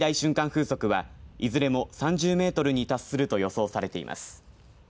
風速はいずれも３０メートルに達すると予想されています。